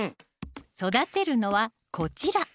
育てるのはこちら。